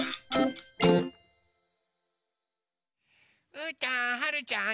うーたんはるちゃん